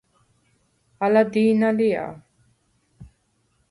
ალა დი̄ნა ლია?